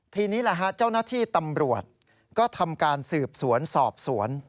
ทีนี้แหละฮะเจ้าหน้าที่ตำรวจก็ทำการสืบสวนสอบสวน